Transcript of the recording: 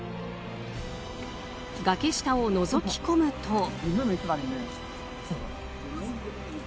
がけ下をのぞき込むと。